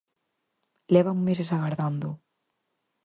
Levan meses agardándoo.